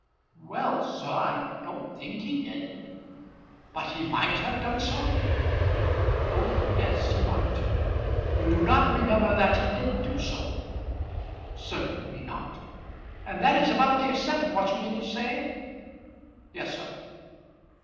"Well, sir, I don't think he did." "But he might have done so?" "Oh, yes; he might." "You do not remember that he did do so?" "Certainly not." "And that is about the extent of what you mean to say?" "Yes, sir."